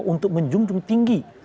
untuk menjunjung tinggi